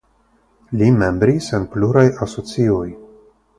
Li membris en pluraj asocioj.